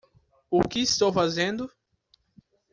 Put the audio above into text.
O que estou fazendo?